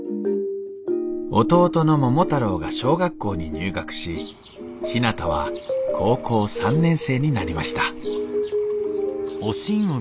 弟の桃太郎が小学校に入学しひなたは高校３年生になりました「おしん！」。